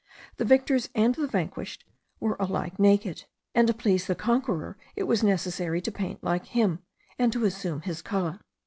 The victors and the vanquished were alike naked; and to please the conqueror it was necessary to paint like him, and to assume his colour.